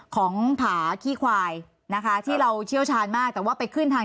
ของผาขี้ควายนะคะที่เราเชี่ยวชาญมากแต่ว่าไปขึ้นทาง